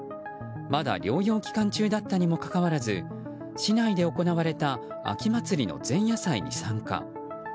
まだ療養期間中だったにもかかわらず市内で行われた秋祭りの前夜祭に参加。